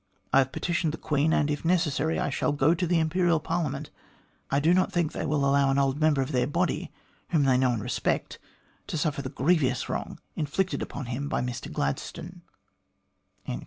I have petitioned the Queen, and, if necessary, I shall go to the Imperial Parliament. I do not think they will allow an old member of their body, whom they know and respect, to suffer the grievous wrong inflicted upon him by Mr Gladstone."